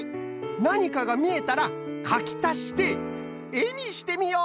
なにかがみえたらかきたしてえにしてみよう。